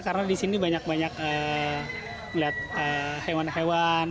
karena di sini banyak banyak melihat hewan hewan